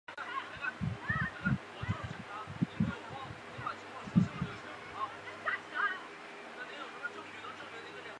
门内有高台甬路通往干清宫月台。